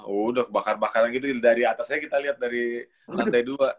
udah bakar bakaran gitu dari atasnya kita lihat dari lantai dua